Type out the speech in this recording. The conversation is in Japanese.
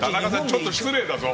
ちょっと失礼だぞ！